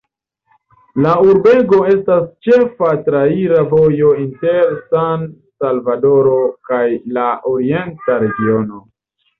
La urbego estas ĉefa traira vojo inter San-Salvadoro kaj la orienta regiono.